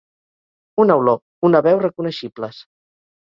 Una olor, una veu reconeixibles.